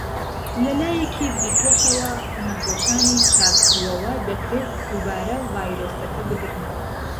لە لایەکی دیکەشەوە، نەخۆشانی چاکبووەوە دەکرێت دووبارە ڤایرۆسەکە بگرنەوە.